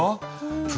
うん。